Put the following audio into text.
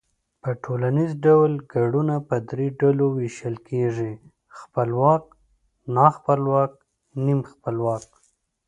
په ټوليز ډول گړونه په درې ډلو وېشل کېږي، خپلواک، ناخپلواک، نیم خپلواک